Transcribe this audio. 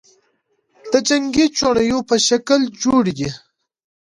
د جنگې چوڼیو په شکل جوړي دي،